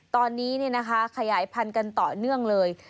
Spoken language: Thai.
ตอนนี้เนี่ยนะคะขยายพันธุ์กันต่อเนื่องเลย